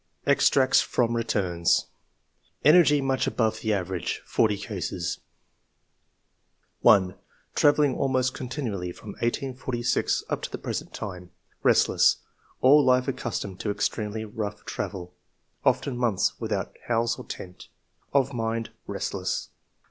Extracts from Returns. ENERGY MUCH ABOVE THE AVERAGE FORTY CASES. 1. '* Travelling almost continually from 1846 up to the present time. Restless. All life ac customed to extremely rough travel ; often months without house or tent. Of mind — restless.